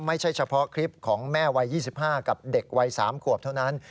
ไม่ใช่เฉพาะคลิปของแม่วัย๒๕กับเด็กวัย๓ขวบเท่านั้น